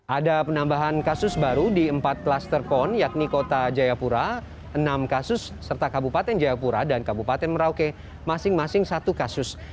ada penambahan kasus baru di empat klaster pon yakni kota jayapura enam kasus serta kabupaten jayapura dan kabupaten merauke masing masing satu kasus